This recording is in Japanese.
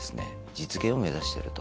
実現を目指してると。